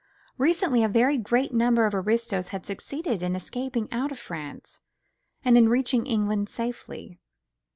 Recently a very great number of aristos had succeeded in escaping out of France and in reaching England safely.